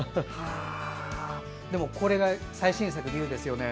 でも、これが最新作の龍ですよね。